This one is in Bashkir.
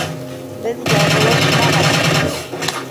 Беҙ яҙылышмағайныҡ.